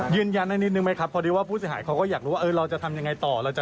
ยืนยันให้นิดหนึ่งมั้ยครับเพราะผู้เสียหายเขาก็อยากรู้ว่าเราจะทำอย่างไงต่อ